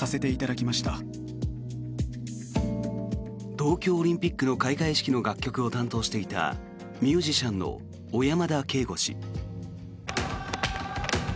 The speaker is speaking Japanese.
東京オリンピックの開会式の楽曲を担当していたミュージシャンの小山田圭吾氏。